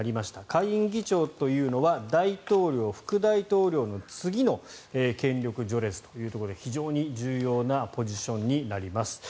下院議長というのは大統領、副大統領の次の権力序列ということで非常に重要なポジションになります。